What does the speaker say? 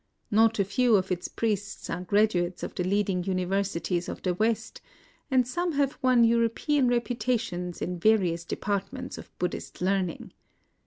Not a few of its priests are graduates of the leading universi ties of the West ; and some have won Euro pean reputations in various departments of Buddhist learning.